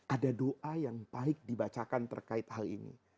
ada doa yang baik dibacakan terkait hal ini